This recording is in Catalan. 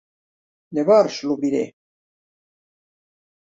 Llavors, l'obriré.